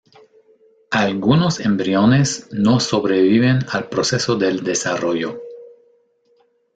Algunos embriones no sobreviven al proceso del desarrollo.